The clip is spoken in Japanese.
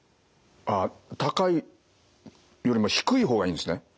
あっ高いよりも低い方がいいんですね。